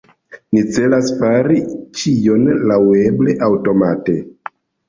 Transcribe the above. Ni celas fari ĉion laŭeble aŭtomate.